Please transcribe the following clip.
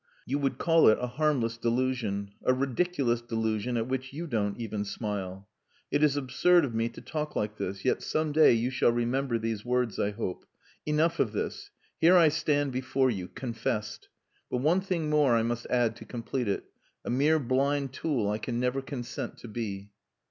You would call it a harmless delusion: a ridiculous delusion at which you don't even smile. It is absurd of me to talk like this, yet some day you shall remember these words, I hope. Enough of this. Here I stand before you confessed! But one thing more I must add to complete it: a mere blind tool I can never consent to be."